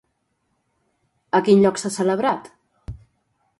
A quin lloc s'ha celebrat?